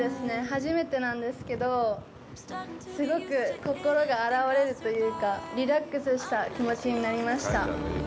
初めてなんですけど、すごく心が洗われるというかリラックスした気持ちになりました。